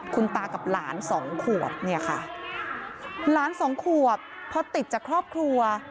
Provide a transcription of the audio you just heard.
คุณตากับหลานสองขวบเนี่ยค่ะหลานสองขวบพอติดจากครอบครัว